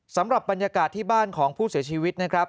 สำหรับบรรยากาศที่บ้านของผู้เสียชีวิตนะครับ